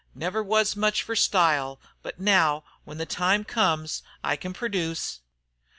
Never was much fer style, but, now when the time comes, I can produce."